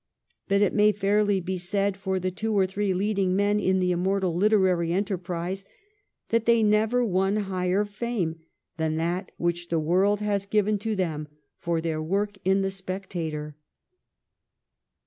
But it may fairly be said for the two or three leading men in the immortal literary enterprise that they never won higher fame than that which the world has given to them for their work in ' The Spectator.'